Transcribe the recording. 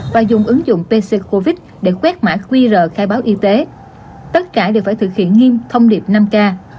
và dùng ứng dụng pc covid để quét mã qr khai báo y tế tất cả đều phải thực hiện nghiêm thông điệp năm k